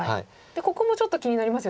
ここもちょっと気になりますよね。